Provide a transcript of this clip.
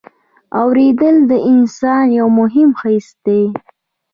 اورېدل د انسان یو مهم حس دی.